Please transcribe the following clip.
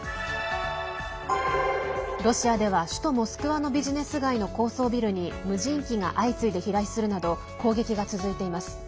ロシアでは首都モスクワのビジネス街の高層ビルに無人機が相次いで飛来するなど攻撃が続いています。